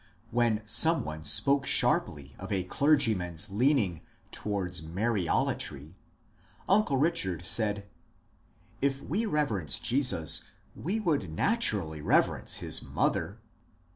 When some one spoke sharply of a clergyman's leaning toward ^^ Mariolatry," uncle Bichard said, ^^ If we reverence Jesus we would naturally reverence his mother."